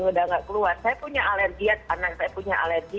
saya sudah nggak keluar saya punya alergi anak saya punya alergi